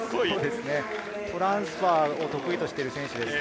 トランスファーを得意としている選手です。